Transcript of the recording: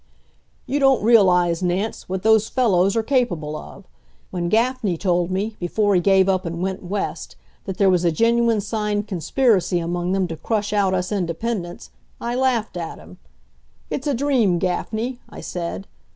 "You don't realize, Nance, what those fellows are capable of. When Gaffney told me, before he gave up and went West, that there was a genuine signed conspiracy among them to crush out us independents, I laughed at him. 'It's a dream, Gaffney,' I said.